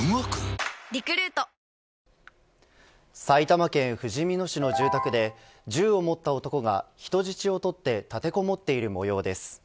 埼玉県ふじみ野市の住宅で銃を持った男が人質を取って立てこもっているもようです。